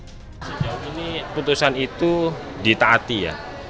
sejauh ini putusan itu ditaati ya